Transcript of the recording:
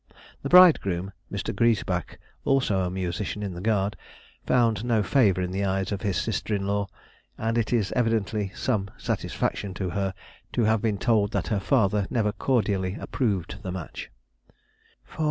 The bridegroom, Mr. Griesbach, also a musician in the Guard, found no favour in the eyes of his sister in law, and it is evidently some satisfaction to her to have been told that her father never cordially approved the match, "for